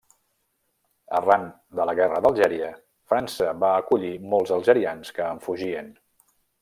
Arran de la guerra d'Algèria, França va acollir molts algerians que en fugien.